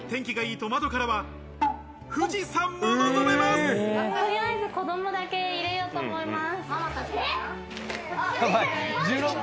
とりあえず子供だけ入れようと思います。